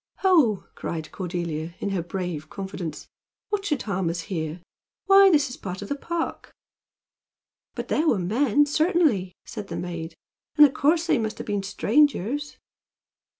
"Ho!" cried Cordelia, in her brave confidence, "what should harm us here? Why! this is a part of the park." "But there were men, certainly," said the maid; "and of course they must have been strangers."